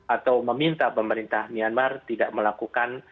atau meminta pemerintah myanmar tidak melakukan